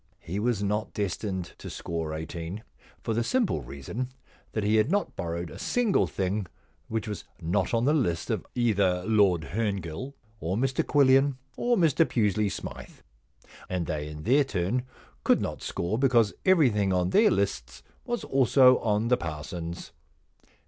He was not destined to score eighteen, for the simple reason that he had not borrowed a single thing which was not on the list of either Lord Herngill, or 213 The Problem Club Mr Quillian, or Mr Pusely Smythe. And they in their turn could not score because every thing on their lists was also on the parson^s.